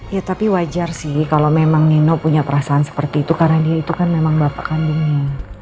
ya tapi wajar sih kalau memang nino punya perasaan seperti itu karena dia itu kan memang bapak kandungnya